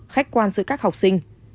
khách quan giữa các học sinh